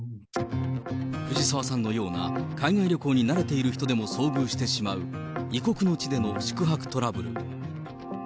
ふじさわさんのような海外旅行に慣れている人でも遭遇してしまう異国の地での宿泊トラブル。